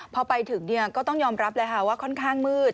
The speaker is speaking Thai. พอไปถึงก็ต้องยอมรับเลยค่ะว่าค่อนข้างมืด